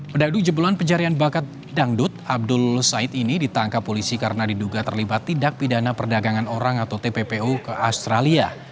pedadu jebolan pencarian bakat dangdut abdul said ini ditangkap polisi karena diduga terlibat tindak pidana perdagangan orang atau tppu ke australia